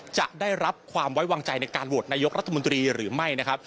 จะได้รับความไว้วางใจในการโหวตนายกรัฐมนตรีหรือไม่นะครับ